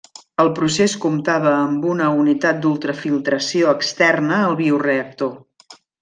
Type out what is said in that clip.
El procés comptava amb una unitat d'ultrafiltració externa al bioreactor.